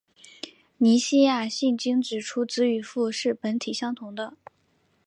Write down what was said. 尼西亚信经指出子与父是本体相同的。